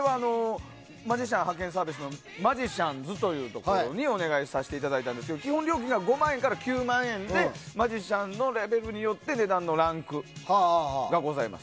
マジシャン派遣サービスのマジシャンズというところにお願いさせていただいたんですけど基本料金が５万円から９万円でマジシャンのレベルによって値段のランクがございます。